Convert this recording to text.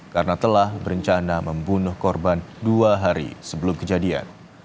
karena telah berencana membunuh korban dua hari sebelum kejadian